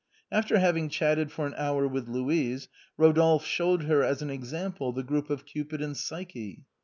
After having chatted for an hour with Louise, Rodolphe showed her, as an example, the group of Cupid and Psyche.